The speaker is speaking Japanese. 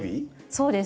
そうです。